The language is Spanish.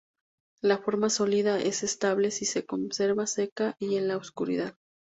La forma sólida es estable si se conserva seca y en la oscuridad.